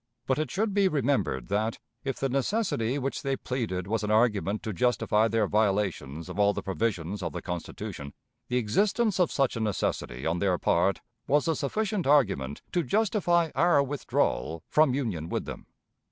But it should be remembered that, if the necessity which they pleaded was an argument to justify their violations of all the provisions of the Constitution, the existence of such a necessity on their part was a sufficient argument to justify our withdrawal from union with them.